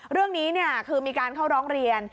เรื่องนี้คือมีการเข้าร้องเรียน